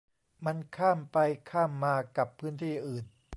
มันข้ามไปข้ามมากับพื้นที่อื่น